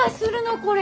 これ。